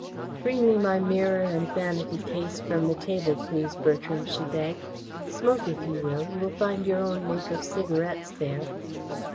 "Bring me my mirror and vanity case from the table, please, Bertram," she begged. "Smoke, if you will. You will find your own make of cigarettes there."